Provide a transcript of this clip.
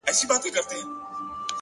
علم د ټولنې پرمختګ تضمینوي,